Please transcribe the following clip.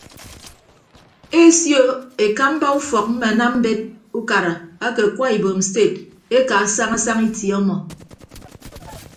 Esio ekamba ufọk mme anam mbet ukara ake akwa ibom sted ekaa saña saña itie ọmọ.